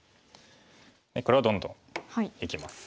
黒はどんどんいきます。